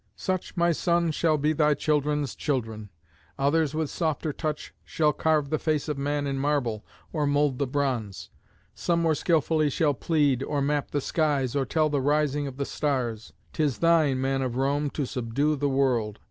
Such, my son, shall be thy children's children. Others with softer touch shall carve the face of man in marble or mould the bronze; some more skilfully shall plead, or map the skies, or tell the rising of the stars. 'Tis thine, man of Rome, to subdue the world.